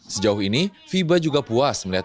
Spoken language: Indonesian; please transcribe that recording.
sejauh ini fiba juga puas melihat